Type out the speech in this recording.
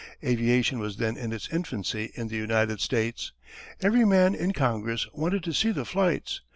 Aviation was then in its infancy in the United States. Every man in Congress wanted to see the flights.